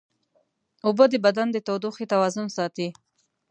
اوبه د بدن د تودوخې توازن ساتي